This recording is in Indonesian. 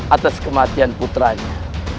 atas kematian putranya